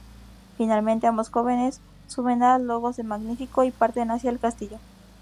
Finalmente, ambos jóvenes suben a lomos de Magnífico y parten hacia el castillo.